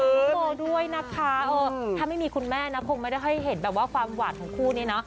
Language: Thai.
กล้องกล้องด้วยนะคะถ้าไม่มีคุณแม่คงไม่ได้ค่อยเห็นความหวาดของคู่นี้นะ